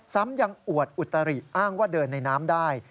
ซ้ำยังอวดอุตริอ้างว่าเดินในน้ำได้